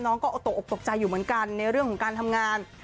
ก็ตกออกตกใจอยู่เหมือนกันในเรื่องของการทำงาน